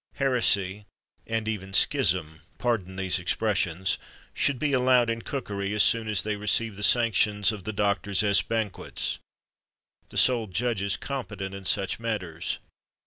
Heresy, and even schism (pardon these expressions), should be allowed in cookery, as soon as they receive the sanction of the doctors ès banquets the sole judges competent in such matters.